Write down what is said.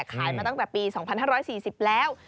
มาตั้งแต่ปี๒๕๔๐แล้ว